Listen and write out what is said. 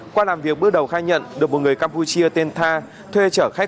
qua làm việc bước đầu khai nhận được một người campuchia tên tha thuê chở khách